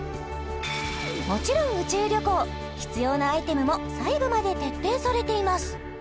もちろん宇宙旅行必要なアイテムも細部まで徹底されています